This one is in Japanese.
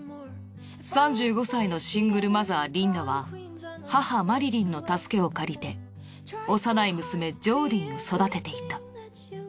３５歳のシングルマザーリンダは母マリリンの助けを借りて幼い娘ジョーディンを育てていた。